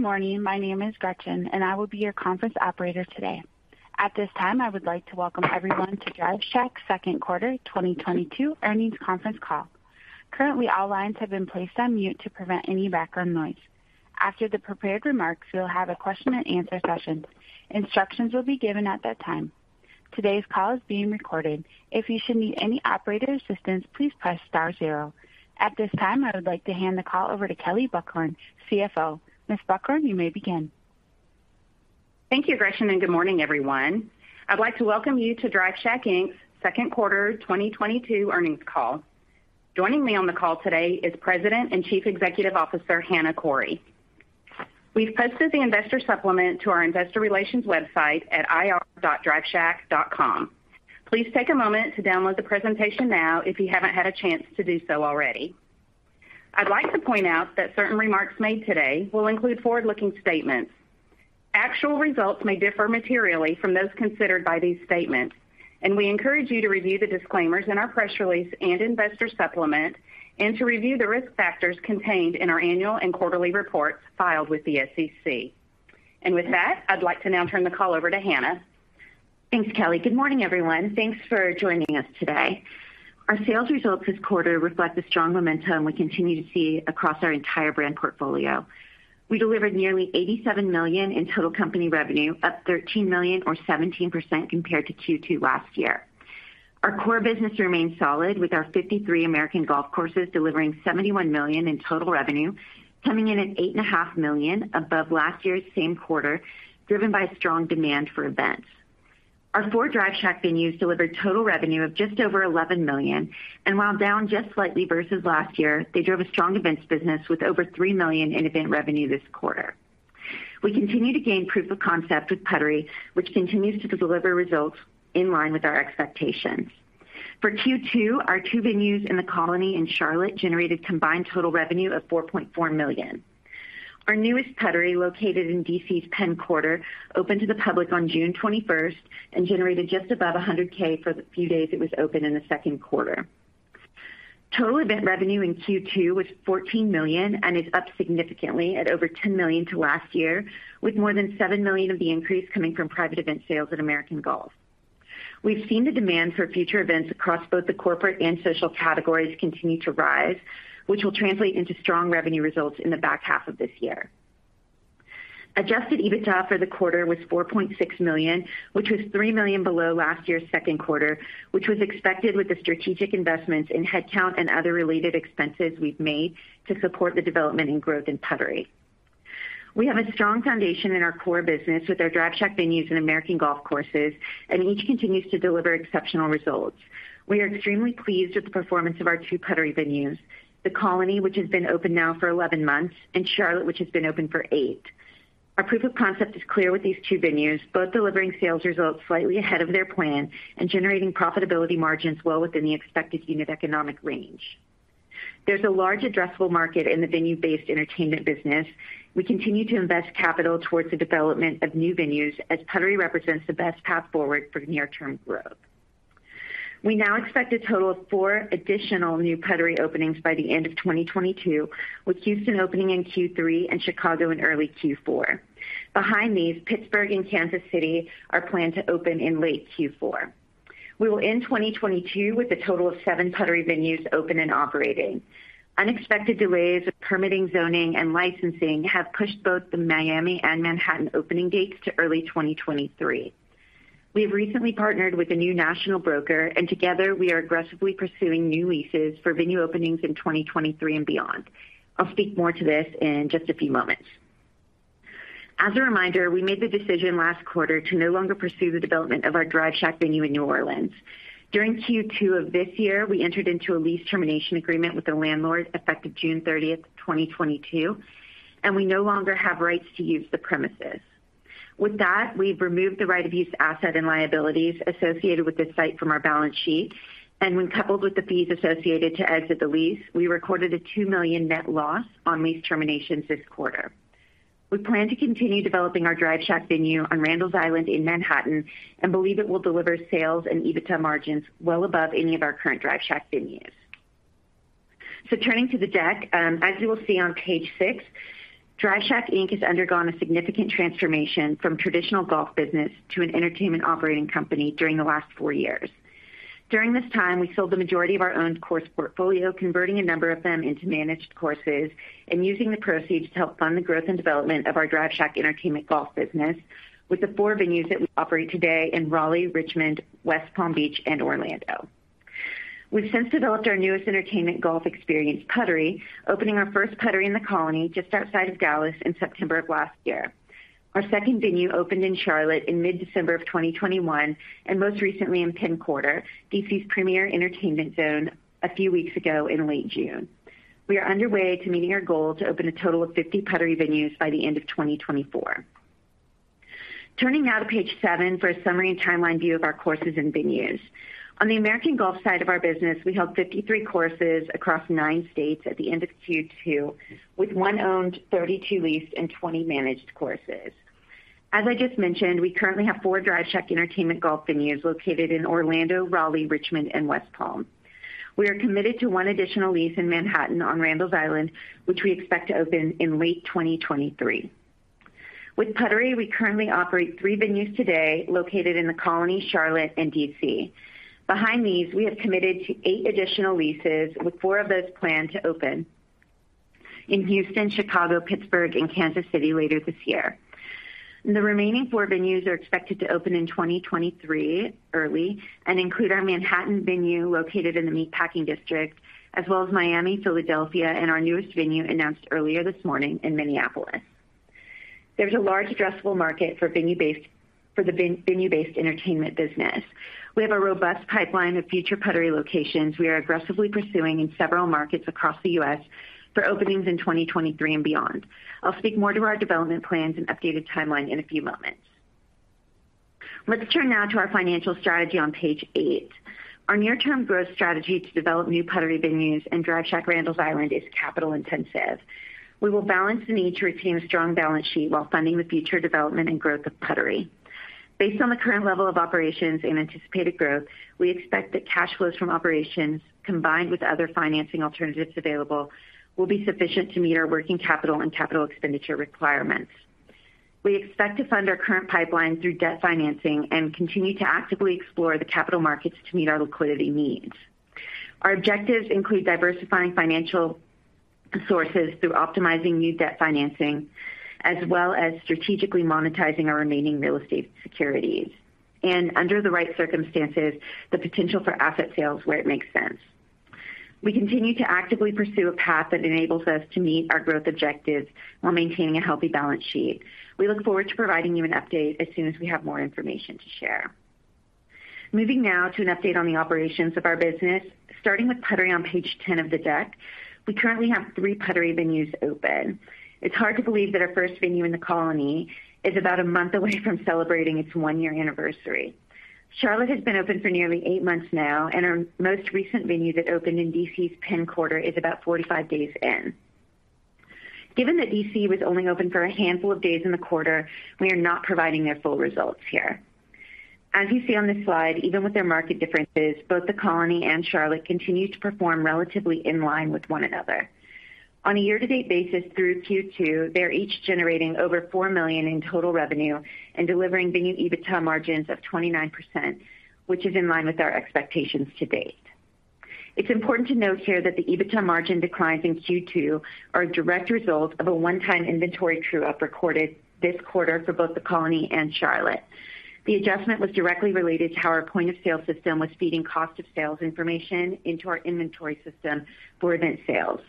Good morning. My name is Gretchen, and I will be your conference operator today. At this time, I would like to welcome everyone to Drive Shack Q2 2022 Earnings Conference Call. Currently, all lines have been placed on mute to prevent any background noise. After the prepared remarks, we'll have a question-and answer session. Instructions will be given at that time. Today's call is being recorded. If you should need any operator assistance, please press star zero. At this time, I would like to hand the call over to Kelley Buchhorn, CFO. Ms. Buchhorn, you may begin. Thank you, Gretchen, and good morning, everyone. I'd like to welcome you to Drive Shack Inc.'s Q2 2022 earnings call. Joining me on the call today is President and Chief Executive Officer, Hana Khouri. We've posted the investor supplement to our investor relations website at ir.driveshack.com. Please take a moment to download the presentation now if you haven't had a chance to do so already. I'd like to point out that certain remarks made today will include forward-looking statements. Actual results may differ materially from those considered by these statements, and we encourage you to review the disclaimers in our press release and investor supplement and to review the risk factors contained in our annual and quarterly reports filed with the SEC. With that, I'd like to now turn the call over to Hana. Thanks, Kelley. Good morning, everyone. Thanks for joining us today. Our sales results this quarter reflect the strong momentum we continue to see across our entire brand portfolio. We delivered nearly $87 million in total company revenue, up $13 million or 17% compared to Q2 last year. Our core business remains solid, with our 53 American Golf courses delivering $71 million in total revenue, coming in at $8.5 million above last year's same quarter, driven by strong demand for events. Our 4 Drive Shack venues delivered total revenue of just over $11 million, and while down just slightly versus last year, they drove a strong events business with over $3 million in event revenue this quarter. We continue to gain proof of concept with Puttery, which continues to deliver results in line with our expectations. For Q2, our two venues in The Colony in Charlotte generated combined total revenue of $4.4 million. Our newest Puttery, located in D.C.'s Penn Quarter, opened to the public on June 21 and generated just above $100K for the few days it was open in the second quarter. Total event revenue in Q2 was $14 million and is up significantly at over $10 million to last year, with more than $7 million of the increase coming from private event sales at American Golf. We've seen the demand for future events across both the corporate and social categories continue to rise, which will translate into strong revenue results in the back half of this year. Adjusted EBITDA for the quarter was $4.6 million, which was $3 million below last year's Q2, which was expected with the strategic investments in headcount and other related expenses we've made to support the development and growth in Puttery. We have a strong foundation in our core business with our Drive Shack venues and American Golf courses, and each continues to deliver exceptional results. We are extremely pleased with the performance of our two Puttery venues, The Colony, which has been open now for 11 months, and Charlotte, which has been open for eight. Our proof of concept is clear with these two venues, both delivering sales results slightly ahead of their plan and generating profitability margins well within the expected unit economic range. There's a large addressable market in the venue-based entertainment business. We continue to invest capital towards the development of new venues as Puttery represents the best path forward for near-term growth. We now expect a total of 4 additional new Puttery openings by the end of 2022, with Houston opening in Q3 and Chicago in early Q4. Behind me, Pittsburgh and Kansas City are planned to open in late Q4. We will end 2022 with a total of 7 Puttery venues open and operating. Unexpected delays of permitting, zoning, and licensing have pushed both the Miami and Manhattan opening dates to early 2023. We have recently partnered with a new national broker, and together we are aggressively pursuing new leases for venue openings in 2023 and beyond. I'll speak more to this in just a few moments. As a reminder, we made the decision last quarter to no longer pursue the development of our Drive Shack venue in New Orleans. During Q2 of this year, we entered into a lease termination agreement with the landlord effective June 30, 2022, and we no longer have rights to use the premises. With that, we've removed the right of use asset and liabilities associated with this site from our balance sheet, and when coupled with the fees associated to exit the lease, we recorded a $2 million net loss on lease terminations this quarter. We plan to continue developing our Drive Shack venue on Randall's Island in Manhattan and believe it will deliver sales and EBITDA margins well above any of our current Drive Shack venues. Turning to the deck, as you will see on page 6, Drive Shack Inc. has undergone a significant transformation from traditional golf business to an entertainment operating company during the last four years. During this time, we sold the majority of our own course portfolio, converting a number of them into managed courses and using the proceeds to help fund the growth and development of our Drive Shack entertainment golf business with the four venues that we operate today in Raleigh, Richmond, West Palm Beach, and Orlando. We've since developed our newest entertainment golf experience, Puttery, opening our first Puttery in The Colony just outside of Dallas in September of last year. Our second venue opened in Charlotte in mid-December of 2021, and most recently in Penn Quarter, D.C.'s premier entertainment zone, a few weeks ago in late June. We are underway to meeting our goal to open a total of 50 Puttery venues by the end of 2024. Turning now to page 7 for a summary and timeline view of our courses and venues. On the American Golf side of our business, we held 53 courses across 9 states at the end of Q2, with 1 owned, 32 leased and 20 managed courses. As I just mentioned, we currently have 4 Drive Shack Entertainment Golf venues located in Orlando, Raleigh, Richmond, and West Palm. We are committed to 1 additional lease in Manhattan on Randall's Island, which we expect to open in late 2023. With Puttery, we currently operate 3 venues today located in The Colony, Charlotte, and D.C. Behind these, we have committed to 8 additional leases, with 4 of those planned to open in Houston, Chicago, Pittsburgh, and Kansas City later this year. The remaining 4 venues are expected to open in early 2023 and include our Manhattan venue located in the Meatpacking District, as well as Miami, Philadelphia, and our newest venue announced earlier this morning in Minneapolis. There's a large addressable market for venue-based entertainment business. We have a robust pipeline of future Puttery locations we are aggressively pursuing in several markets across the U.S. for openings in 2023 and beyond. I'll speak more to our development plans and updated timeline in a few moments. Let's turn now to our financial strategy on page 8. Our near-term growth strategy to develop new Puttery venues and Drive Shack Randall's Island is capital-intensive. We will balance the need to retain a strong balance sheet while funding the future development and growth of Puttery. Based on the current level of operations and anticipated growth, we expect that cash flows from operations combined with other financing alternatives available will be sufficient to meet our working capital and capital expenditure requirements. We expect to fund our current pipeline through debt financing and continue to actively explore the capital markets to meet our liquidity needs. Our objectives include diversifying financial sources through optimizing new debt financing, as well as strategically monetizing our remaining real estate securities. Under the right circumstances, the potential for asset sales where it makes sense. We continue to actively pursue a path that enables us to meet our growth objectives while maintaining a healthy balance sheet. We look forward to providing you an update as soon as we have more information to share. Moving now to an update on the operations of our business, starting with Puttery on page 10 of the deck. We currently have three Puttery venues open. It's hard to believe that our first venue in The Colony is about a month away from celebrating its one-year anniversary. Charlotte has been open for nearly eight months now, and our most recent venue that opened in D.C.'s Penn Quarter is about 45 days in. Given that D.C. was only open for a handful of days in the quarter, we are not providing their full results here. As you see on this slide, even with their market differences, both The Colony and Charlotte continue to perform relatively in line with one another. On a year-to-date basis through Q2, they're each generating over $4 million in total revenue and delivering venue EBITDA margins of 29%, which is in line with our expectations to date. It's important to note here that the EBITDA margin declines in Q2 are a direct result of a one-time inventory true-up recorded this quarter for both The Colony and Charlotte. The adjustment was directly related to how our point-of-sale system was feeding cost of sales information into our inventory system for event sales.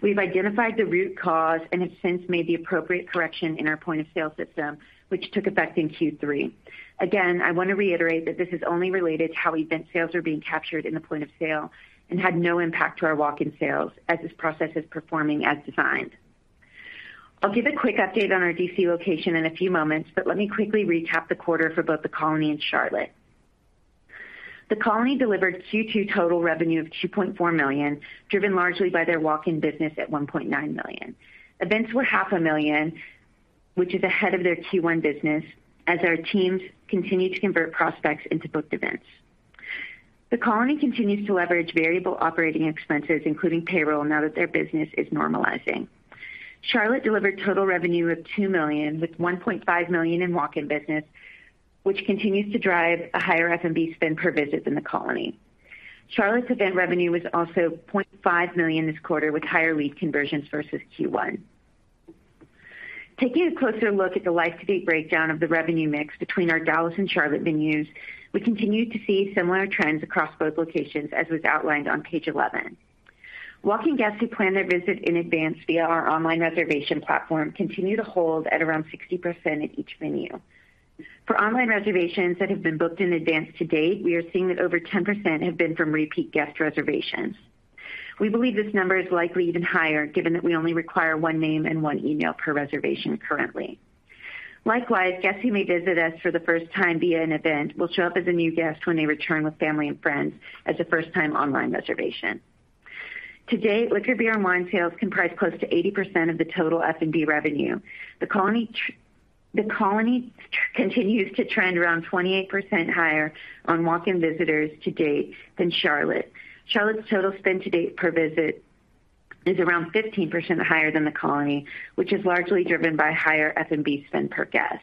We've identified the root cause and have since made the appropriate correction in our point-of-sale system, which took effect in Q3. Again, I wanna reiterate that this is only related to how event sales are being captured in the point of sale and had no impact to our walk-in sales as this process is performing as designed. I'll give a quick update on our D.C. location in a few moments, but let me quickly recap the quarter for both The Colony and Charlotte. The Colony delivered Q2 total revenue of $2.4 million, driven largely by their walk-in business at $1.9 million. Events were $ half a million, which is ahead of their Q1 business as our teams continue to convert prospects into booked events. The Colony continues to leverage variable operating expenses, including payroll, now that their business is normalizing. Charlotte delivered total revenue of $2 million, with $1.5 million in walk-in business, which continues to drive a higher F&B spend per visit than The Colony. Charlotte's event revenue was also $0.5 million this quarter, with higher lead conversions versus Q1. Taking a closer look at the life-to-date breakdown of the revenue mix between our Dallas and Charlotte venues, we continue to see similar trends across both locations, as was outlined on page 11. Walk-in guests who plan their visit in advance via our online reservation platform continue to hold at around 60% at each venue. For online reservations that have been booked in advance to date, we are seeing that over 10% have been from repeat guest reservations. We believe this number is likely even higher, given that we only require one name and one email per reservation currently. Likewise, guests who may visit us for the first time via an event will show up as a new guest when they return with family and friends as a first-time online reservation. To date, liquor, beer, and wine sales comprise close to 80% of the total F&B revenue. The Colony continues to trend around 28% higher on walk-in visitors to date than Charlotte. Charlotte's total spend to date per visit is around 15% higher than The Colony, which is largely driven by higher F&B spend per guest.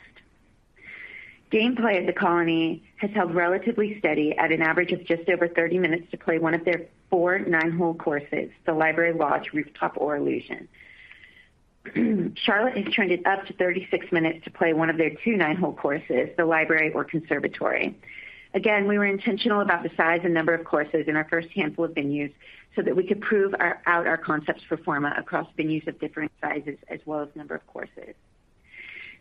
Gameplay at The Colony has held relatively steady at an average of just over 30 minutes to play one of their 4 9-hole courses, the Library, Lodge, Rooftop, or Illusion. Charlotte has trended up to 36 minutes to play one of their 2 9-hole courses, the Library or Conservatory. Again, we were intentional about the size and number of courses in our first handful of venues so that we could prove out our concepts for format across venues of different sizes as well as number of courses.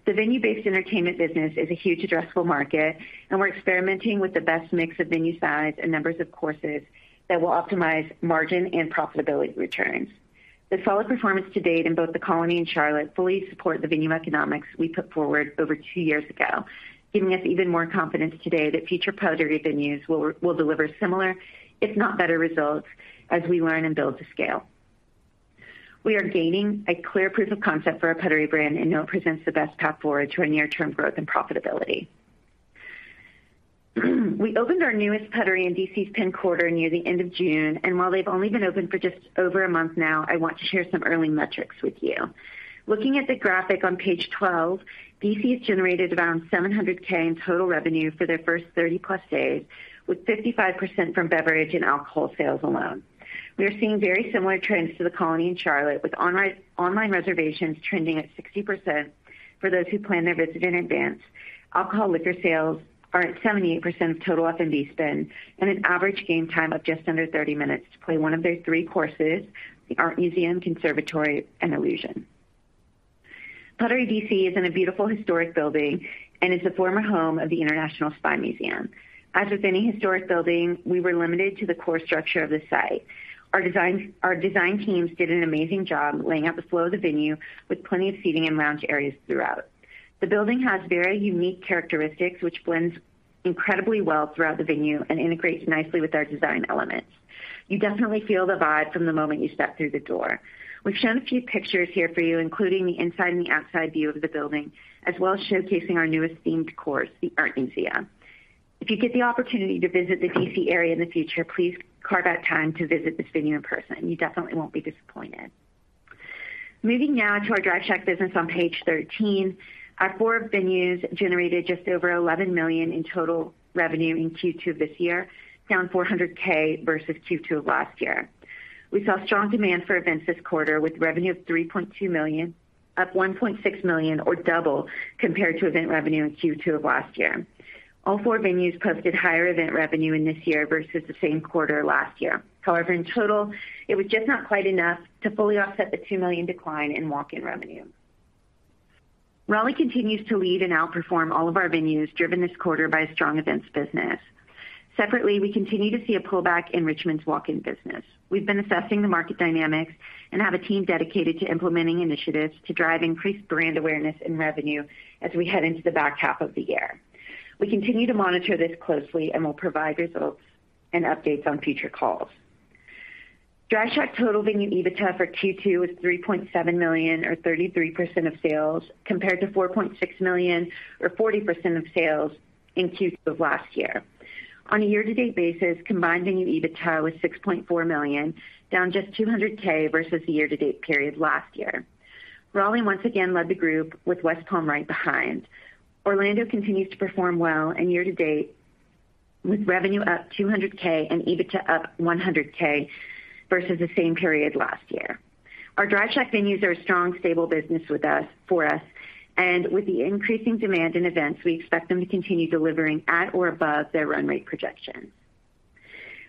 The venue-based entertainment business is a huge addressable market, and we're experimenting with the best mix of venue size and numbers of courses that will optimize margin and profitability returns. The solid performance to date in both The Colony and Charlotte fully support the venue economics we put forward over two years ago, giving us even more confidence today that future Puttery venues will deliver similar, if not better, results as we learn and build to scale. We are gaining a clear proof of concept for our Puttery brand, and know it presents the best path forward to our near-term growth and profitability. We opened our newest Puttery in D.C.'s Penn Quarter near the end of June, and while they've only been open for just over a month now, I want to share some early metrics with you. Looking at the graphic on page 12, D.C. has generated around $700K in total revenue for their first 30+ days, with 55% from beverage and alcohol sales alone. We are seeing very similar trends to The Colony in Charlotte, with online reservations trending at 60% for those who plan their visit in advance. Alcohol liquor sales are at 78% of total F&B spend and an average game time of just under 30 minutes to play one of their three courses, the Art Museum, Conservatory and Illusion. Puttery D.C. is in a beautiful historic building and is the former home of the International Spy Museum. As with any historic building, we were limited to the core structure of the site. Our design teams did an amazing job laying out the flow of the venue with plenty of seating and lounge areas throughout. The building has very unique characteristics, which blends incredibly well throughout the venue and integrates nicely with our design elements. You definitely feel the vibe from the moment you step through the door. We've shown a few pictures here for you, including the inside and the outside view of the building, as well as showcasing our newest themed course, the Art Museum. If you get the opportunity to visit the D.C. area in the future, please carve out time to visit this venue in person. You definitely won't be disappointed. Moving now to our Drive Shack business on page 13. Our four venues generated just over $11 million in total revenue in Q2 of this year, down $400K versus Q2 of last year. We saw strong demand for events this quarter, with revenue of $3.2 million, up $1.6 million or double compared to event revenue in Q2 of last year. All four venues posted higher event revenue in this year versus the same quarter last year. However, in total, it was just not quite enough to fully offset the $2 million decline in walk-in revenue. Raleigh continues to lead and outperform all of our venues, driven this quarter by a strong events business. Separately, we continue to see a pullback in Richmond's walk-in business. We've been assessing the market dynamics and have a team dedicated to implementing initiatives to drive increased brand awareness and revenue as we head into the back half of the year. We continue to monitor this closely, and we'll provide results and updates on future calls. Drive Shack total venue EBITDA for Q2 was $3.7 million or 33% of sales, compared to $4.6 million or 40% of sales in Q2 of last year. On a year-to-date basis, combined venue EBITDA was $6.4 million, down just $200K versus the year-to-date period last year. Raleigh once again led the group with West Palm right behind. Orlando continues to perform well and year to date, with revenue up $200K and EBITDA up $100K versus the same period last year. Our Drive Shack venues are a strong, stable business for us, and with the increasing demand in events, we expect them to continue delivering at or above their run rate projections.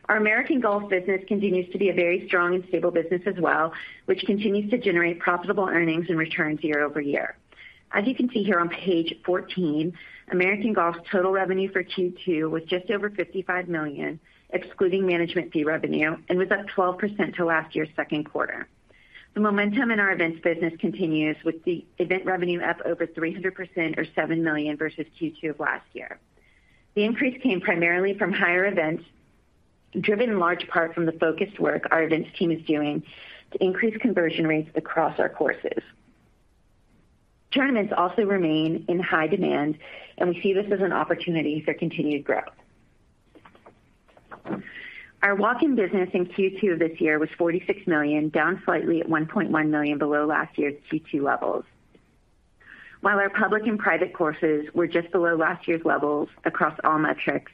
Our American Golf business continues to be a very strong and stable business as well, which continues to generate profitable earnings and returns year-over-year. As you can see here on page 14, American Golf's total revenue for Q2 was just over $55 million, excluding management fee revenue, and was up 12% to last year's second quarter. The momentum in our events business continues, with the event revenue up over 300% or $7 million versus Q2 of last year. The increase came primarily from higher events, driven in large part from the focused work our events team is doing to increase conversion rates across our courses. Tournaments also remain in high demand, and we see this as an opportunity for continued growth. Our walk-in business in Q2 of this year was $46 million, down slightly at $1.1 million below last year's Q2 levels. While our public and private courses were just below last year's levels across all metrics,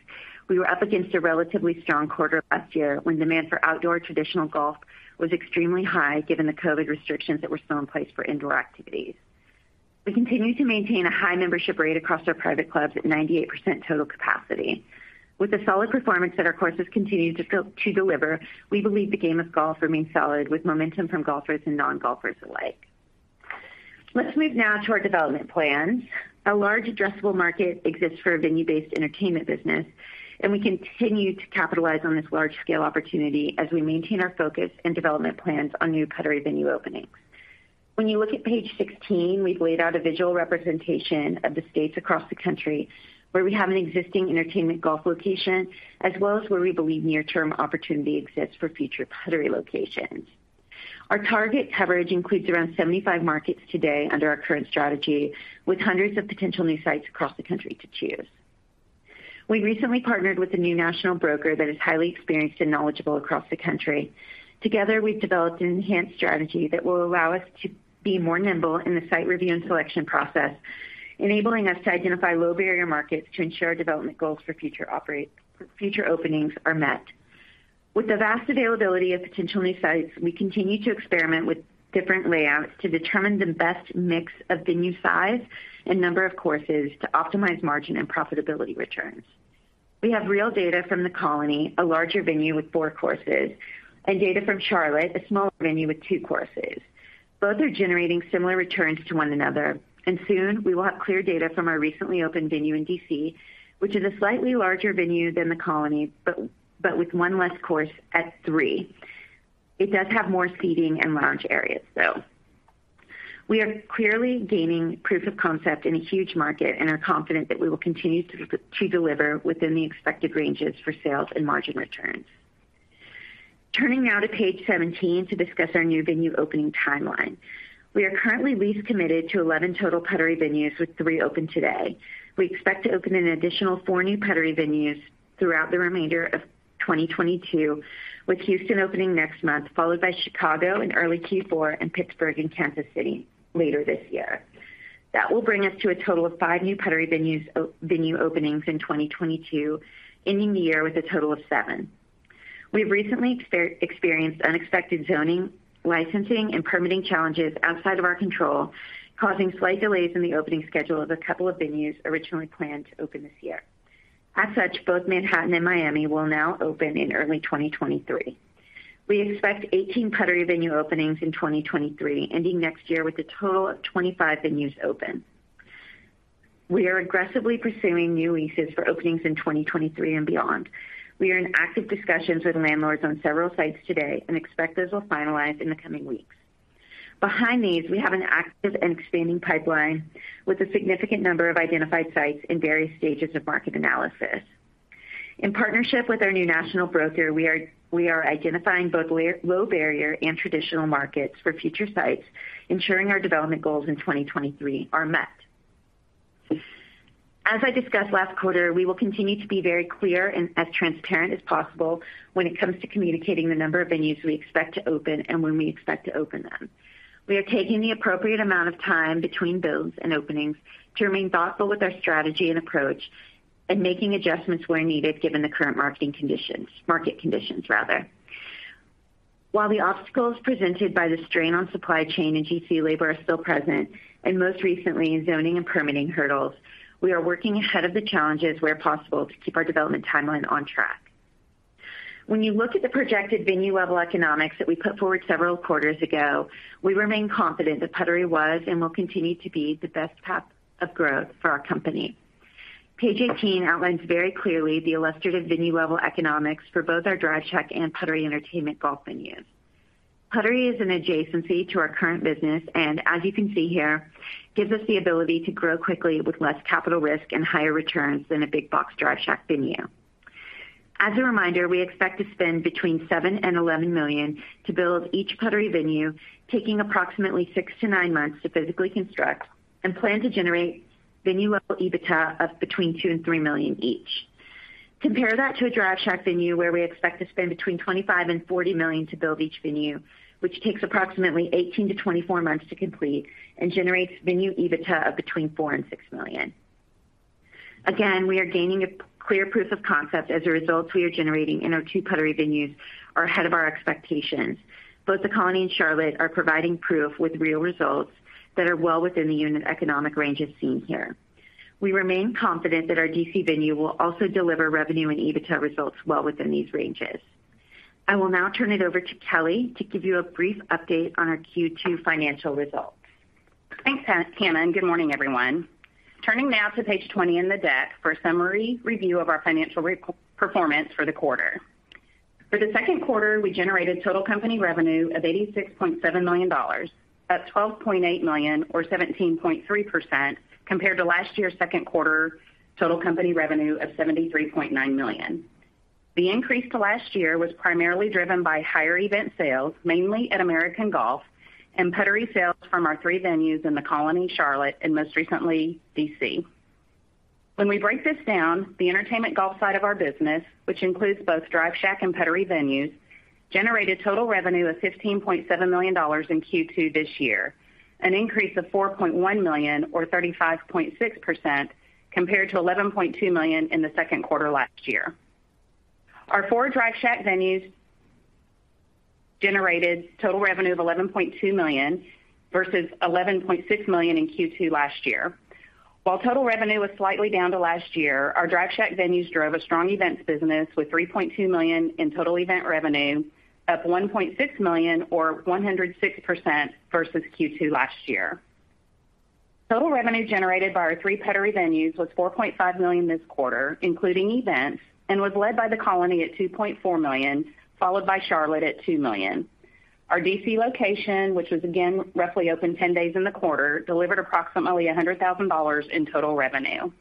we were up against a relatively strong quarter last year when demand for outdoor traditional golf was extremely high given the COVID restrictions that were still in place for indoor activities. We continue to maintain a high membership rate across our private clubs at 98% total capacity. With the solid performance that our courses continue to to deliver, we believe the game of golf remains solid with momentum from golfers and non-golfers alike. Let's move now to our development plans. A large addressable market exists for a venue-based entertainment business, and we continue to capitalize on this large-scale opportunity as we maintain our focus on development plans on new Puttery venue openings. When you look at page 16, we've laid out a visual representation of the states across the country where we have an existing entertainment golf location, as well as where we believe near-term opportunity exists for future Puttery locations. Our target coverage includes around 75 markets today under our current strategy, with hundreds of potential new sites across the country to choose. We recently partnered with a new national broker that is highly experienced and knowledgeable across the country. Together, we've developed an enhanced strategy that will allow us to be more nimble in the site review and selection process, enabling us to identify low-barrier markets to ensure development goals for future openings are met. With the vast availability of potential new sites, we continue to experiment with different layouts to determine the best mix of venue size and number of courses to optimize margin and profitability returns. We have real data from The Colony, a larger venue with 4 courses, and data from Charlotte, a smaller venue with 2 courses. Both are generating similar returns to one another, and soon we will have clear data from our recently opened venue in D.C., which is a slightly larger venue than The Colony, but with 1 less course at 3. It does have more seating and lounge areas, though. We are clearly gaining proof of concept in a huge market and are confident that we will continue to deliver within the expected ranges for sales and margin returns. Turning now to page 17 to discuss our new venue opening timeline. We are currently lease committed to 11 total Puttery venues, with 3 open today. We expect to open an additional four new Puttery venues throughout the remainder of 2022, with Houston opening next month, followed by Chicago in early Q4, and Pittsburgh and Kansas City later this year. That will bring us to a total of five new Puttery venues, venue openings in 2022, ending the year with a total of seven. We have recently experienced unexpected zoning, licensing, and permitting challenges outside of our control, causing slight delays in the opening schedule of a couple of venues originally planned to open this year. As such, both Manhattan and Miami will now open in early 2023. We expect 18 Puttery venue openings in 2023, ending next year with a total of 25 venues open. We are aggressively pursuing new leases for openings in 2023 and beyond. We are in active discussions with landlords on several sites today, and expect those will finalize in the coming weeks. Behind these, we have an active and expanding pipeline with a significant number of identified sites in various stages of market analysis. In partnership with our new national broker, we are identifying both low barrier and traditional markets for future sites, ensuring our development goals in 2023 are met. As I discussed last quarter, we will continue to be very clear and as transparent as possible when it comes to communicating the number of venues we expect to open and when we expect to open them. We are taking the appropriate amount of time between builds and openings to remain thoughtful with our strategy and approach and making adjustments where needed given the current market conditions. While the obstacles presented by the strain on supply chain and GC labor are still present, and most recently in zoning and permitting hurdles, we are working ahead of the challenges where possible to keep our development timeline on track. When you look at the projected venue level economics that we put forward several quarters ago, we remain confident that Puttery was and will continue to be the best path of growth for our company. Page 18 outlines very clearly the illustrative venue level economics for both our Drive Shack and Puttery Entertainment Golf venues. Puttery is an adjacency to our current business, and as you can see here, gives us the ability to grow quickly with less capital risk and higher returns than a big box Drive Shack venue. As a reminder, we expect to spend between $7 and $11 million to build each Puttery venue, taking approximately 6-9 months to physically construct, and plan to generate venue level EBITDA of between $2 and $3 million each. Compare that to a Drive Shack venue where we expect to spend between $25 and $40 million to build each venue, which takes approximately 18-24 months to complete and generates venue EBITDA of between $4 and $6 million. Again, we are gaining a clear proof of concept as the results we are generating in our two Puttery venues are ahead of our expectations. Both The Colony and Charlotte are providing proof with real results that are well within the unit economic ranges seen here. We remain confident that our D.C. venue will also deliver revenue and EBITDA results well within these ranges. I will now turn it over to Kelley to give you a brief update on our Q2 financial results. Thanks, Hana, and good morning, everyone. Turning now to page 20 in the deck for a summary review of our financial performance for the quarter. For Q2, we generated total company revenue of $86.7 million, up $12.8 million or 17.3% compared to last year's second quarter total company revenue of $73.9 million. The increase to last year was primarily driven by higher event sales, mainly at American Golf and Puttery sales from our three venues in The Colony, Charlotte and most recently D.C. When we break this down, the entertainment golf side of our business, which includes both Drive Shack and Puttery venues, generated total revenue of $15.7 million in Q2 this year, an increase of $4.1 million or 35.6% compared to $11.2 million in Q2 last year. Our four Drive Shack venues generated total revenue of $11.2 million versus $11.6 million in Q2 last year. While total revenue was slightly down from last year, our Drive Shack venues drove a strong events business with $3.2 million in total event revenue, up $1.6 million or 106% versus Q2 last year. Total revenue generated by our three Puttery venues was $4.5 million this quarter, including events, and was led by The Colony at $2.4 million, followed by Charlotte at $2 million. Our D.C. location, which was again roughly open 10 days in the quarter, delivered approximately $100,000 in total revenue.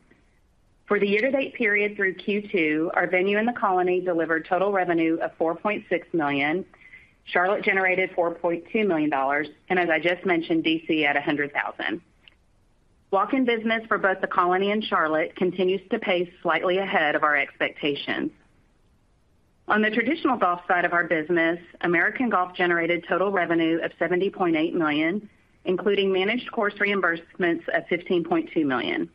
For the year to date period through Q2, our venue in The Colony delivered total revenue of $4.6 million. Charlotte generated $4.2 million, and as I just mentioned, D.C. at $100,000. Walk-in business for both The Colony and Charlotte continues to pace slightly ahead of our expectations. On the traditional golf side of our business, American Golf generated total revenue of $70.8 million, including managed course reimbursements of $15.2 million.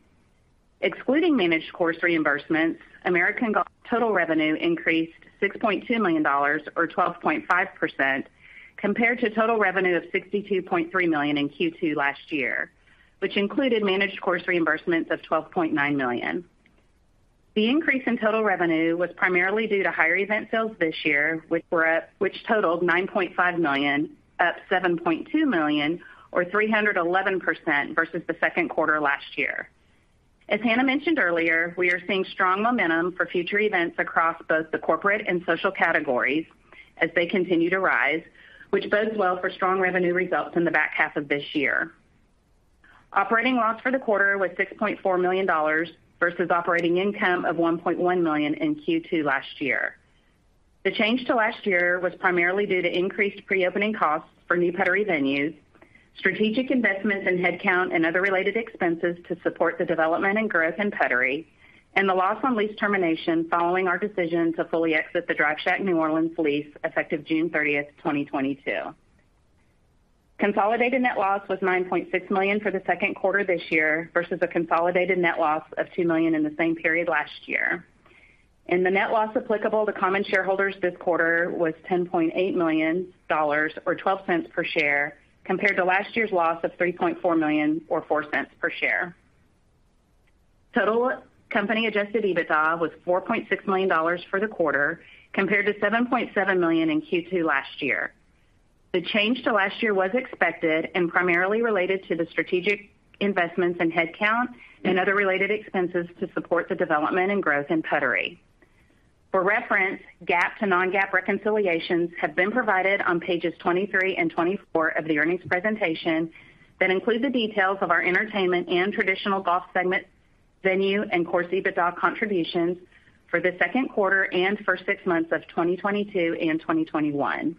Excluding managed course reimbursements, American Golf total revenue increased $6.2 million or 12.5% compared to total revenue of $62.3 million in Q2 last year, which included managed course reimbursements of $12.9 million. The increase in total revenue was primarily due to higher event sales this year, which totaled $9.5 million, up $7.2 million or 311% versus the second quarter last year. As Hana mentioned earlier, we are seeing strong momentum for future events across both the corporate and social categories as they continue to rise, which bodes well for strong revenue results in the back half of this year. Operating loss for the quarter was $6.4 million versus operating income of $1.1 million in Q2 last year. The change to last year was primarily due to increased pre-opening costs for new Puttery venues, strategic investments in headcount and other related expenses to support the development and growth in Puttery, and the loss on lease termination following our decision to fully exit the Drive Shack New Orleans lease effective June 30, 2022. Consolidated net loss was $9.6 million for the second quarter this year versus a consolidated net loss of $2 million in the same period last year. The net loss applicable to common shareholders this quarter was $10.8 million or $0.12 per share, compared to last year's loss of $3.4 million or $0.04 per share. Total company adjusted EBITDA was $4.6 million for the quarter, compared to $7.7 million in Q2 last year. The change to last year was expected and primarily related to the strategic investments in headcount and other related expenses to support the development and growth in Puttery. For reference, GAAP to non-GAAP reconciliations have been provided on pages 23 and 24 of the earnings presentation that include the details of our entertainment and traditional golf segment venue and course EBITDA contributions for Q2 and first six months of 2022 and 2021.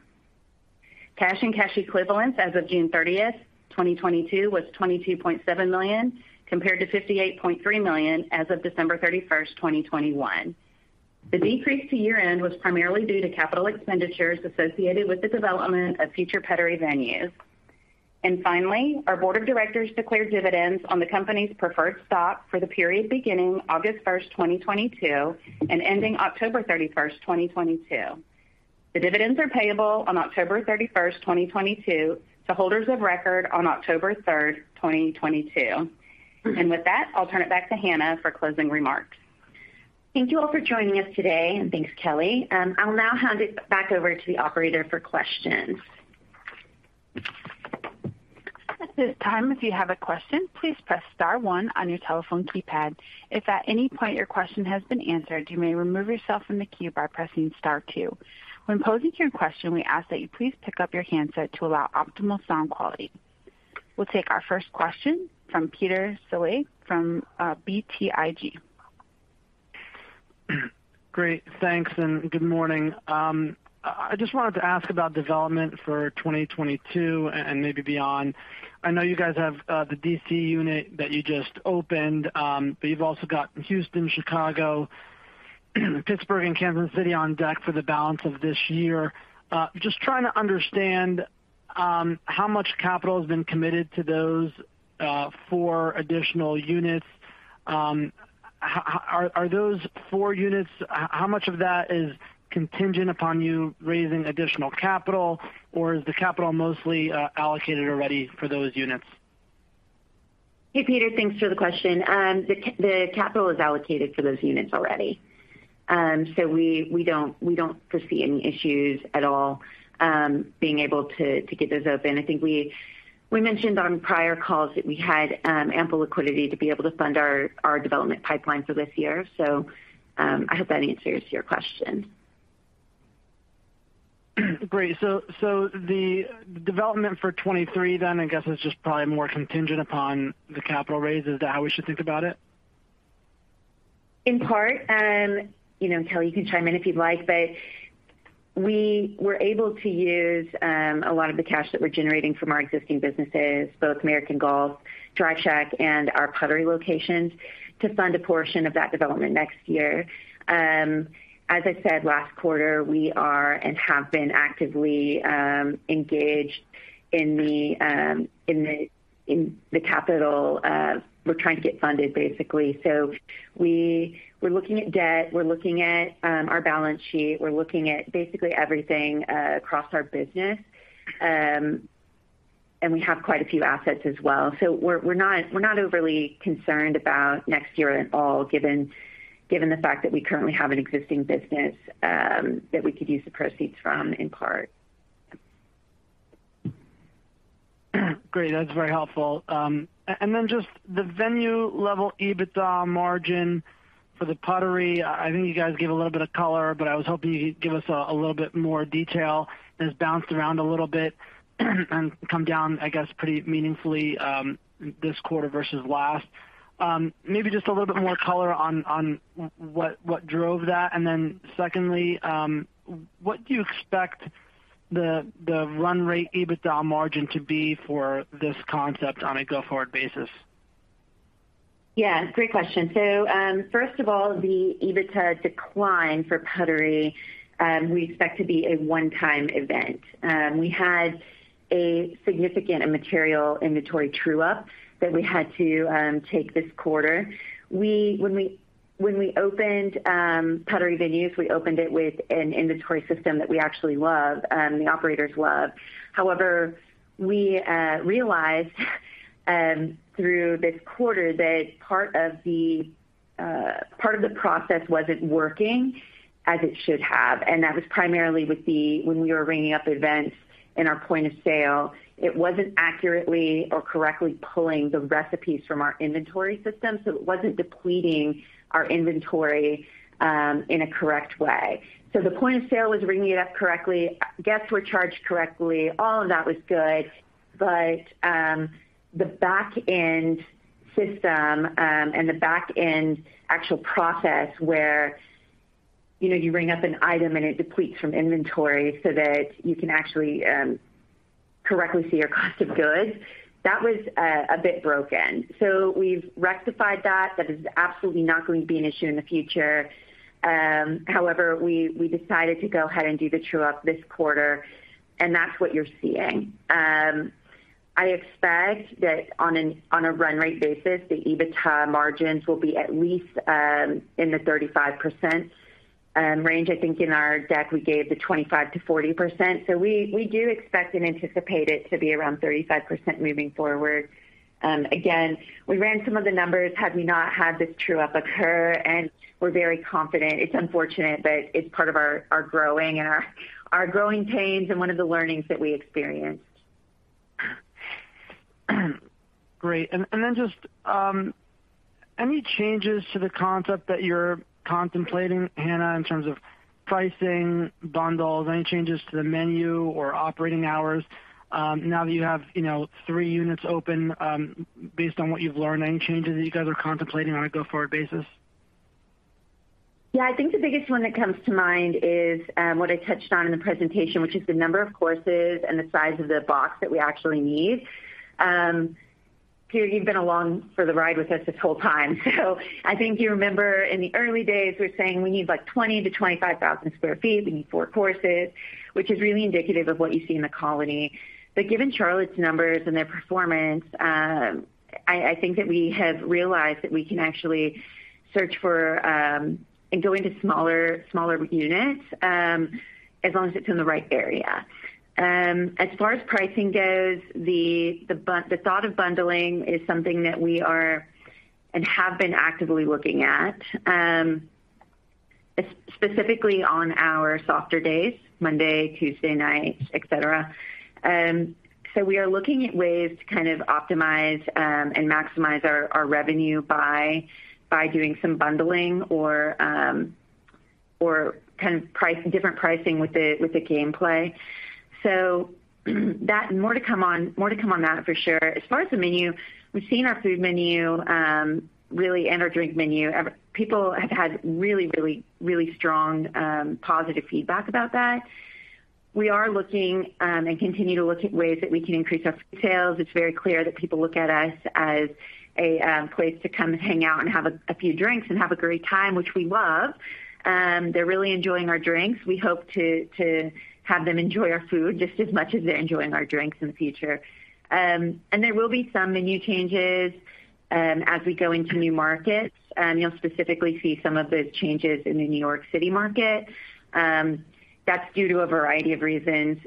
Cash and cash equivalents as of June 30, 2022 was $22.7 million, compared to $58.3 million as of December 31, 2021. The decrease to year-end was primarily due to capital expenditures associated with the development of future Puttery venues. Finally, our board of directors declared dividends on the company's preferred stock for the period beginning August 1, 2022, and ending October 31, 2022. The dividends are payable on October 31, 2022 to holders of record on October 3, 2022. With that, I'll turn it back to Hana for closing remarks. Thank you all for joining us today, and thanks, Kelley. I'll now hand it back over to the operator for questions. At this time, if you have a question, please press star one on your telephone keypad. If at any point your question has been answered, you may remove yourself from the queue by pressing star two. When posing your question, we ask that you please pick up your handset to allow optimal sound quality. We'll take our first question from Peter Saleh from BTIG. Great. Thanks, and good morning. I just wanted to ask about development for 2022 and maybe beyond. I know you guys have the D.C. unit that you just opened, but you've also got Houston, Chicago, Pittsburgh, and Kansas City on deck for the balance of this year. Just trying to understand how much capital has been committed to those four additional units. How much of that is contingent upon you raising additional capital, or is the capital mostly allocated already for those units? Hey, Peter. Thanks for the question. The capital is allocated for those units already. We don't foresee any issues at all being able to get those open. I think we mentioned on prior calls that we had ample liquidity to be able to fund our development pipeline for this year. I hope that answers your question. Great. The development for 2023 then I guess is just probably more contingent upon the capital raise. Is that how we should think about it? In part. You know, Kelley, you can chime in if you'd like, but we were able to use a lot of the cash that we're generating from our existing businesses, both American Golf, Drive Shack, and our Puttery locations, to fund a portion of that development next year. As I said last quarter, we are and have been actively engaged in the capital. We're trying to get funded basically. We're looking at debt. We're looking at our balance sheet. We're looking at basically everything across our business. We have quite a few assets as well. We're not overly concerned about next year at all, given the fact that we currently have an existing business that we could use the proceeds from in part. Great. That's very helpful. Then just the venue level EBITDA margin for the Puttery, I think you guys gave a little bit of color, but I was hoping you could give us a little bit more detail. It's bounced around a little bit and come down, I guess, pretty meaningfully, this quarter versus last. Maybe just a little bit more color on what drove that. Then secondly, what do you expect the run rate EBITDA margin to be for this concept on a go-forward basis? Yeah, great question. First of all, the EBITDA decline for Puttery, we expect to be a one-time event. We had a significant and material inventory true-up that we had to take this quarter. When we opened Puttery venues, we opened it with an inventory system that we actually love, the operators love. However, we realized through this quarter that part of the process wasn't working as it should have, and that was primarily when we were ringing up events in our point of sale, it wasn't accurately or correctly pulling the recipes from our inventory system, so it wasn't depleting our inventory in a correct way. The point of sale was ringing it up correctly, guests were charged correctly. All of that was good. The back-end system and the back-end actual process where, you know, you ring up an item and it depletes from inventory so that you can actually correctly see your cost of goods, that was a bit broken. We've rectified that. That is absolutely not going to be an issue in the future. However, we decided to go ahead and do the true up this quarter, and that's what you're seeing. I expect that on a run rate basis, the EBITDA margins will be at least in the 35% range. I think in our deck, we gave the 25%-40%. We do expect and anticipate it to be around 35% moving forward. Again, we ran some of the numbers had we not had this true up occur, and we're very confident. It's unfortunate, but it's part of our growing pains and one of the learnings that we experienced. Great. Just any changes to the concept that you're contemplating, Hana, in terms of pricing, bundles, any changes to the menu or operating hours, now that you have, you know, three units open, based on what you've learned, any changes that you guys are contemplating on a go-forward basis? Yeah, I think the biggest one that comes to mind is what I touched on in the presentation, which is the number of courses and the size of the box that we actually need. Peter, you've been along for the ride with us this whole time, so I think you remember in the early days, we were saying, we need, like, 20,000-25,000 sq ft. We need 4 courses, which is really indicative of what you see in The Colony. Given Charlotte's numbers and their performance, I think that we have realized that we can actually search for and go into smaller units as long as it's in the right area. As far as pricing goes, the thought of bundling is something that we are and have been actively looking at, specifically on our softer days, Monday, Tuesday nights, et cetera. We are looking at ways to kind of optimize and maximize our revenue by doing some bundling or kind of different pricing with the gameplay. That and more to come on that for sure. As far as the menu, we've seen our food menu really and our drink menu. People have had really strong positive feedback about that. We are looking and continue to look at ways that we can increase our food sales. It's very clear that people look at us as a place to come and hang out and have a few drinks and have a great time, which we love. They're really enjoying our drinks. We hope to have them enjoy our food just as much as they're enjoying our drinks in the future. There will be some menu changes as we go into new markets. You'll specifically see some of the changes in the New York City market. That's due to a variety of reasons,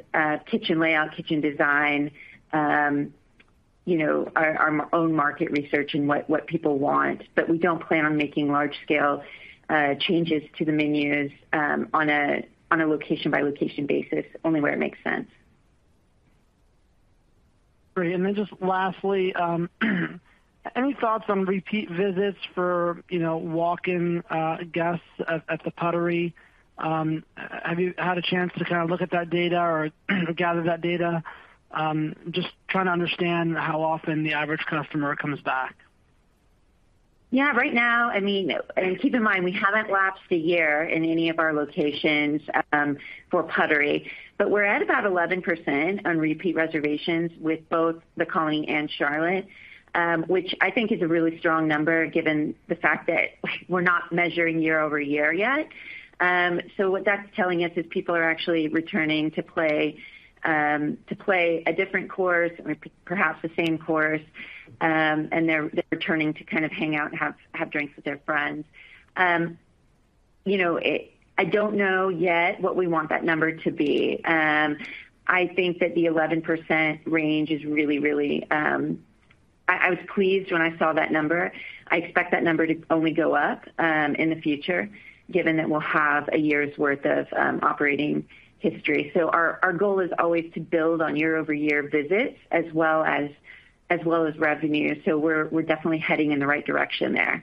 kitchen layout, kitchen design, you know, our own market research and what people want. We don't plan on making large scale changes to the menus on a location by location basis, only where it makes sense. Great. Just lastly, any thoughts on repeat visits for, you know, walk-in guests at the Puttery? Have you had a chance to kind of look at that data or gather that data? Just trying to understand how often the average customer comes back. Yeah. Right now, I mean, keep in mind, we haven't lapsed a year in any of our locations for Puttery, but we're at about 11% on repeat reservations with both The Colony and Charlotte, which I think is a really strong number given the fact that we're not measuring year-over-year yet. What that's telling us is people are actually returning to play to play a different course or perhaps the same course, and they're returning to kind of hang out and have drinks with their friends. You know, I don't know yet what we want that number to be. I think that the 11% range is really. I was pleased when I saw that number. I expect that number to only go up in the future, given that we'll have a year's worth of operating history. Our goal is always to build on year over year visits as well as revenue. We're definitely heading in the right direction there.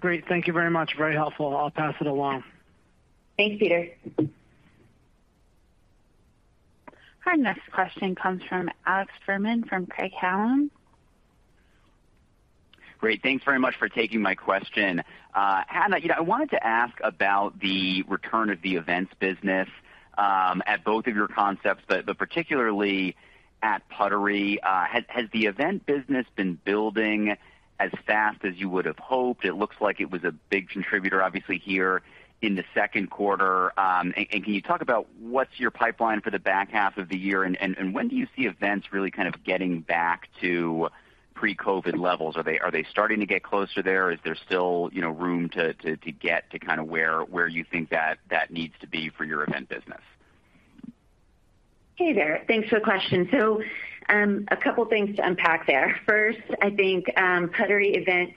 Great. Thank you very much. Very helpful. I'll pass it along. Thanks, Peter. Our next question comes from Alex Fuhrman from Craig-Hallum. Great. Thanks very much for taking my question. Hana, you know, I wanted to ask about the return of the events business at both of your concepts but particularly at Puttery. Has the event business been building as fast as you would have hoped? It looks like it was a big contributor, obviously, here in the second quarter. Can you talk about what's your pipeline for the back half of the year? When do you see events really kind of getting back to pre-COVID levels? Are they starting to get closer there? Is there still, you know, room to get to kind of where you think that needs to be for your event business? Hey there. Thanks for the question. A couple things to unpack there. First, I think, Puttery events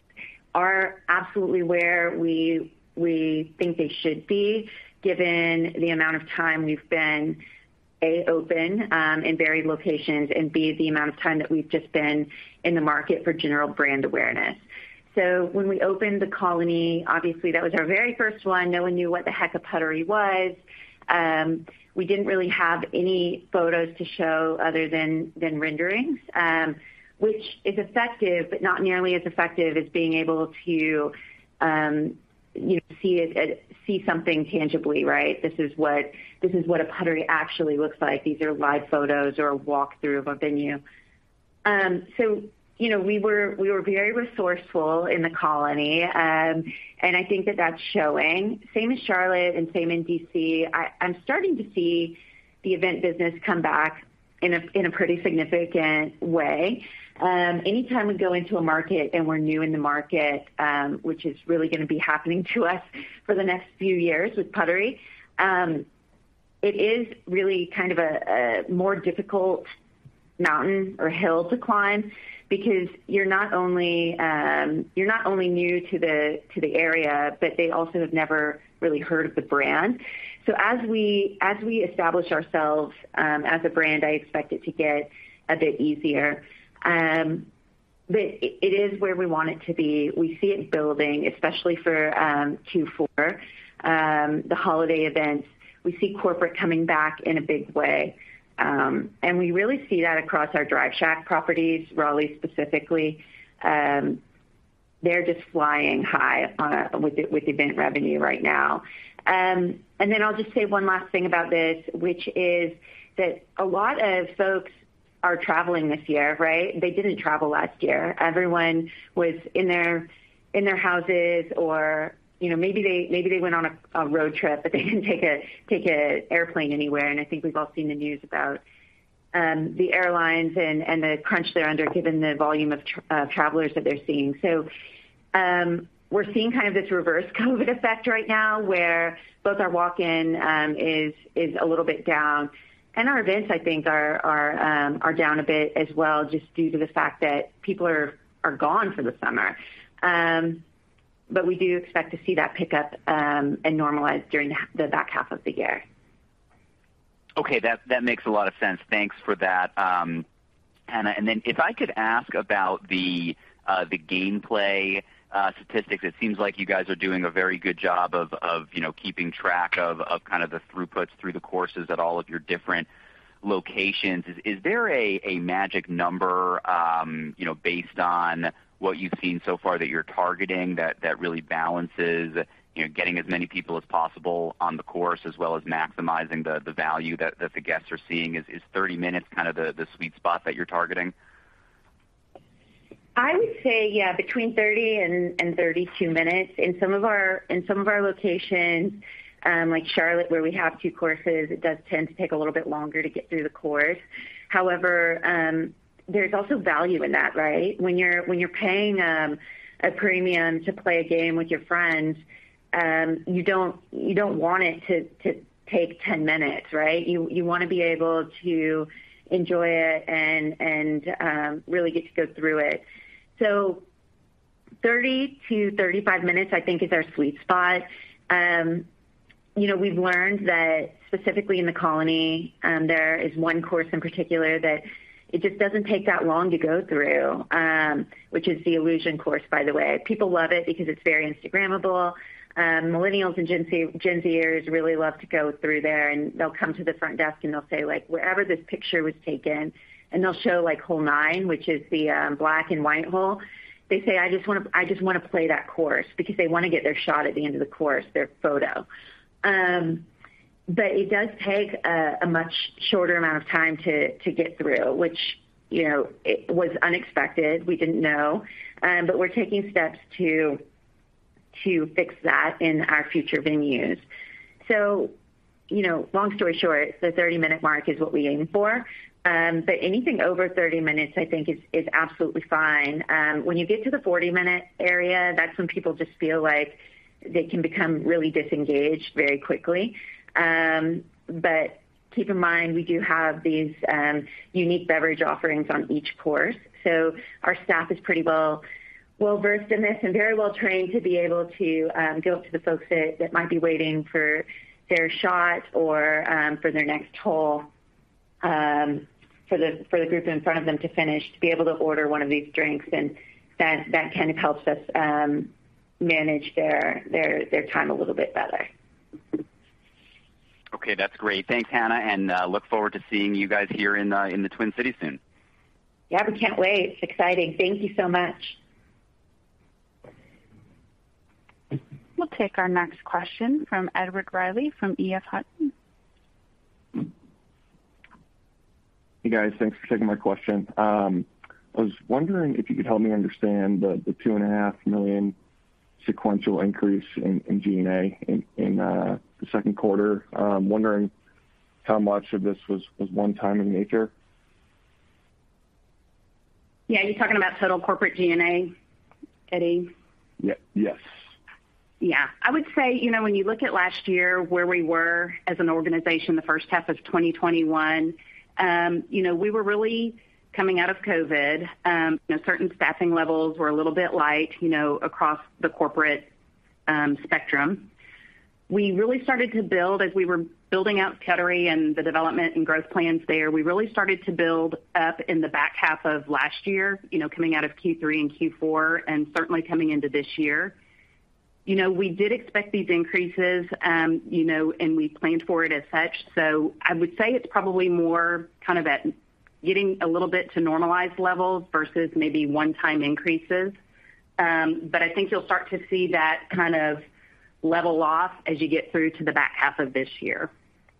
are absolutely where we think they should be, given the amount of time we've been, A, open, in varied locations, and B, the amount of time that we've just been in the market for general brand awareness. When we opened The Colony, obviously that was our very first one. No one knew what the heck a Puttery was. We didn't really have any photos to show other than renderings, which is effective, but not nearly as effective as being able to, you know, see it, see something tangibly, right? This is what a Puttery actually looks like. These are live photos or a walkthrough of a venue. You know, we were very resourceful in The Colony. I think that that's showing. Same as Charlotte and same in D.C. I'm starting to see the event business come back in a pretty significant way. Anytime we go into a market and we're new in the market, which is really gonna be happening to us for the next few years with Puttery, it is really kind of a more difficult mountain or hill to climb because you're not only new to the area, but they also have never really heard of the brand. As we establish ourselves as a brand, I expect it to get a bit easier. It is where we want it to be. We see it building, especially for Q4, the holiday events. We see corporate coming back in a big way. We really see that across our Drive Shack properties, Raleigh specifically. They're just flying high with event revenue right now. I'll just say one last thing about this, which is that a lot of folks are traveling this year, right? They didn't travel last year. Everyone was in their houses or, you know, maybe they went on a road trip, but they didn't take a airplane anywhere. I think we've all seen the news about the airlines and the crunch they're under given the volume of travelers that they're seeing. We're seeing kind of this reverse COVID effect right now where both our walk-in is a little bit down and our events I think are down a bit as well just due to the fact that people are gone for the summer. We do expect to see that pick up and normalize during the back half of the year. Okay. That makes a lot of sense. Thanks for that, Hana. Then if I could ask about the gameplay statistics, it seems like you guys are doing a very good job of you know, keeping track of kind of the throughputs through the courses at all of your different locations. Is there a magic number you know, based on what you've seen so far that you're targeting that really balances you know, getting as many people as possible on the course as well as maximizing the value that the guests are seeing? Is 30 minutes kind of the sweet spot that you're targeting? I would say, yeah, between 30 and 32 minutes. In some of our locations, like Charlotte where we have two courses, it does tend to take a little bit longer to get through the course. However, there's also value in that, right? When you're paying a premium to play a game with your friends, you don't want it to take 10 minutes, right? You wanna be able to enjoy it and really get to go through it. Thirty to 35 minutes I think is our sweet spot. You know, we've learned that specifically in The Colony, there is one course in particular that it just doesn't take that long to go through, which is the Illusion course by the way. People love it because it's very Instagrammable. Millennials and Gen Zers really love to go through there and they'll come to the front desk and they'll say like, Wherever this picture was taken, and they'll show like hole 9 which is the black and white hole. They say, I just wanna play that course, because they wanna get their shot at the end of the course, their photo. It does take a much shorter amount of time to get through which, you know, it was unexpected. We didn't know. We're taking steps to fix that in our future venues. You know, long story short, the 30-minute mark is what we aim for. Anything over 30 minutes I think is absolutely fine. When you get to the 40-minute area, that's when people just feel like they can become really disengaged very quickly. Keep in mind we do have these unique beverage offerings on each course so our staff is pretty well-versed in this and very well trained to be able to go up to the folks that might be waiting for their shot or for their next hole for the group in front of them to finish to be able to order one of these drinks and that kind of helps us manage their time a little bit better. Okay, that's great. Thanks, Hana, and look forward to seeing you guys here in the Twin Cities soon. Yeah, we can't wait. It's exciting. Thank you so much. We'll take our next question from Edward Reilly from EF Hutton. Hey guys. Thanks for taking my question. I was wondering if you could help me understand the $2.5 million sequential increase in G&A in the second quarter, wondering how much of this was one-time in nature? Yeah. Are you talking about total corporate G&A, Eddie? Ye-yes. Yeah. I would say, you know, when you look at last year where we were as an organization, the first half of 2021, you know, we were really coming out of COVID. You know, certain staffing levels were a little bit light, you know, across the corporate spectrum. We really started to build as we were building out Kettering and the development and growth plans there. We really started to build up in the back half of last year, you know, coming out of Q3 and Q4, and certainly coming into this year. You know, we did expect these increases, you know, and we planned for it as such. I would say it's probably more kind of at getting a little bit to normalized levels versus maybe one-time increases. I think you'll start to see that kind of level off as you get through to the back half of this year.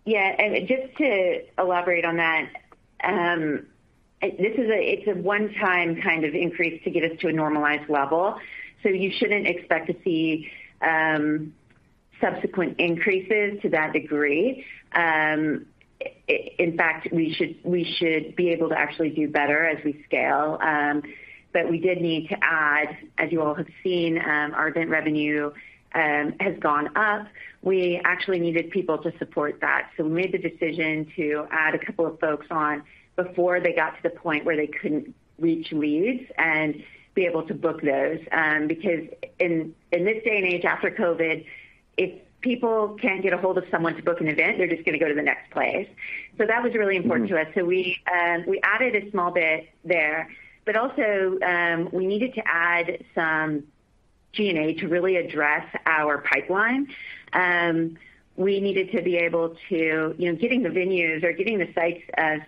Yeah. Just to elaborate on that, it's a one-time kind of increase to get us to a normalized level. You shouldn't expect to see subsequent increases to that degree. In fact, we should be able to actually do better as we scale. We did need to add, as you all have seen, our event revenue has gone up. We actually needed people to support that. We made the decision to add a couple of folks on before they got to the point where they couldn't reach leads and be able to book those. Because in this day and age after COVID, if people can't get ahold of someone to book an event, they're just gonna go to the next place. That was really important to us. We added a small bit there, but also, we needed to add some G&A to really address our pipeline. We needed to be able to, you know, getting the venues or getting the sites as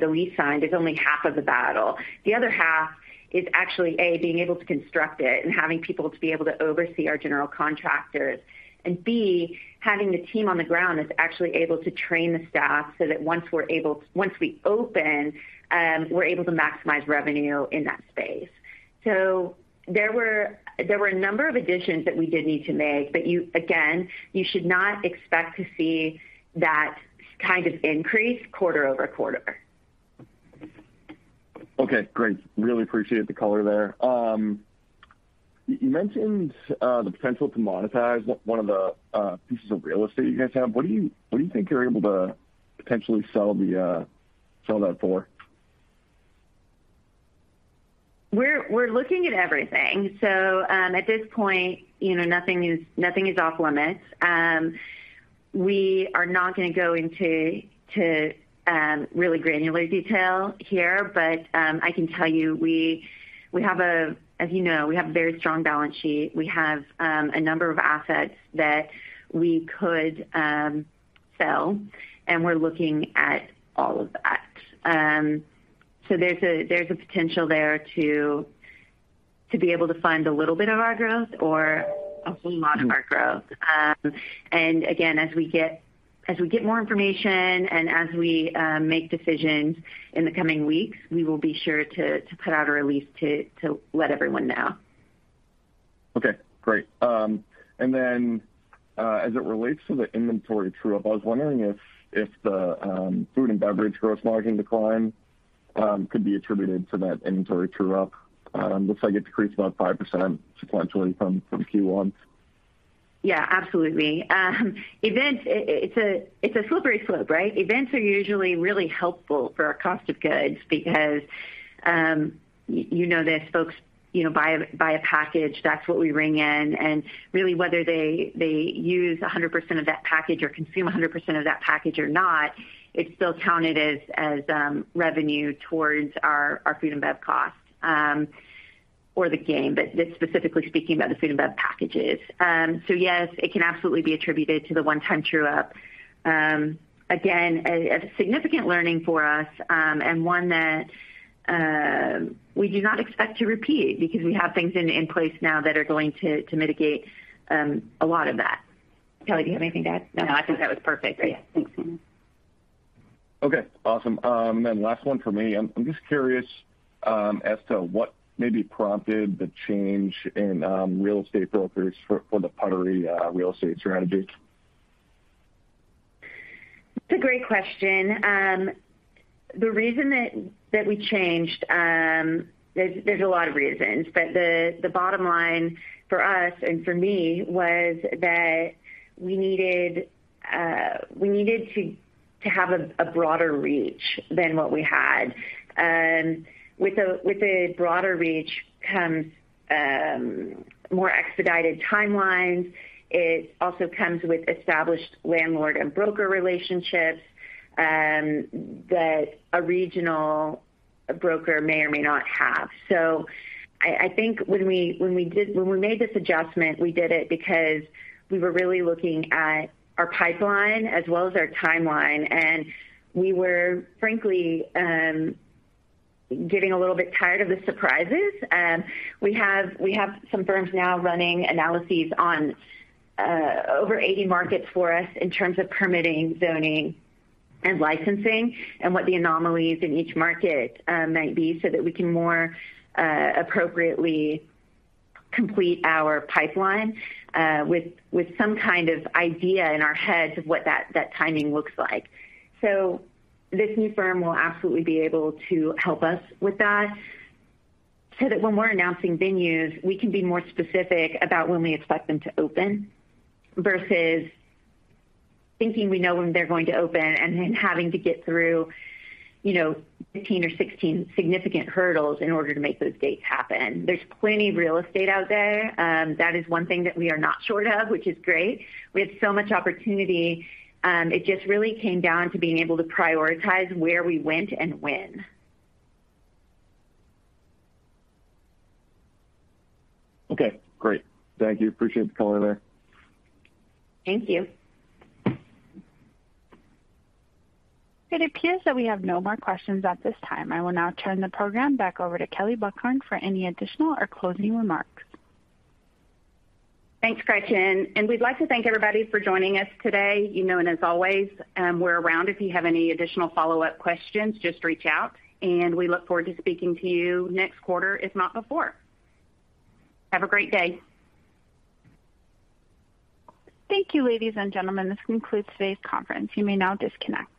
the lease signed is only half of the battle. The other half is actually, A, being able to construct it and having people to be able to oversee our general contractors. And B, having the team on the ground that's actually able to train the staff so that once we open, we're able to maximize revenue in that space. There were a number of additions that we did need to make, but again, you should not expect to see that kind of increase quarter-over-quarter. Okay, great. Really appreciate the color there. You mentioned the potential to monetize one of the pieces of real estate you guys have. What do you think you're able to potentially sell that for? We're looking at everything. At this point, you know, nothing is off limits. We are not gonna go into really granular detail here. I can tell you, as you know, we have a very strong balance sheet. We have a number of assets that we could sell, and we're looking at all of that. There's a potential there to be able to fund a little bit of our growth or a whole lot of our growth. Again, as we get more information and as we make decisions in the coming weeks, we will be sure to put out a release to let everyone know. Okay, great. As it relates to the inventory true-up, I was wondering if the food and beverage gross margin decline could be attributed to that inventory true-up? Looks like it decreased about 5% sequentially from Q1. Yeah, absolutely. Events, it's a slippery slope, right? Events are usually really helpful for our cost of goods because you know this, folks, you know, buy a package, that's what we ring in. Really whether they use 100% of that package or consume 100% of that package or not, it's still counted as revenue towards our F&B costs or the game. Just specifically speaking about the F&B packages. Yes, it can absolutely be attributed to the one-time true-up. Again, a significant learning for us, one that we do not expect to repeat because we have things in place now that are going to mitigate a lot of that. Kelley, do you have anything to add? No, I think that was perfect. Yeah. Thanks. Okay, awesome. Last one for me. I'm just curious as to what maybe prompted the change in real estate brokers for the Puttery real estate strategy? That's a great question. The reason that we changed, there's a lot of reasons, but the bottom line for us and for me was that we needed to have a broader reach than what we had. With a broader reach comes more expedited timelines. It also comes with established landlord and broker relationships that a regional broker may or may not have. I think when we made this adjustment, we did it because we were really looking at our pipeline as well as our timeline, and we were frankly getting a little bit tired of the surprises. We have some firms now running analyses on over 80 markets for us in terms of permitting, zoning, and licensing and what the anomalies in each market might be so that we can more appropriately complete our pipeline with some kind of idea in our heads of what that timing looks like. This new firm will absolutely be able to help us with that, so that when we're announcing venues, we can be more specific about when we expect them to open versus thinking we know when they're going to open and then having to get through, you know, 15 or 16 significant hurdles in order to make those dates happen. There's plenty of real estate out there. That is one thing that we are not short of, which is great. We have so much opportunity. It just really came down to being able to prioritize where we went and when. Okay, great. Thank you. Appreciate the color there. Thank you. It appears that we have no more questions at this time. I will now turn the program back over to Kelley Buchhorn for any additional or closing remarks. Thanks, Gretchen, and we'd like to thank everybody for joining us today. You know, and as always, we're around if you have any additional follow-up questions, just reach out, and we look forward to speaking to you next quarter, if not before. Have a great day. Thank you, ladies and gentlemen. This concludes today's conference. You may now disconnect.